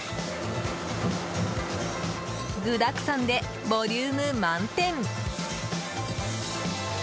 具だくさんでボリューム満点。